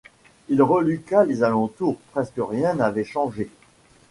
Il reluqua les alentours : presque rien n’avait changé.